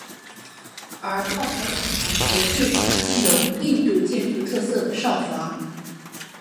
而炮台两旁则建有印度建筑特色的哨房。